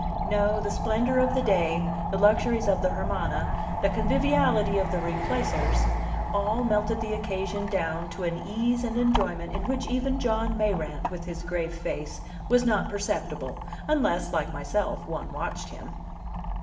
No; the splendor of the day, the luxuries of the Hermana, the conviviality of the Replacers all melted the occasion down to an ease and enjoyment in which even John Mayrant, with his grave face, was not perceptible, unless, like myself, one watched him.